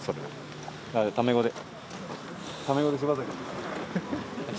タメ語で。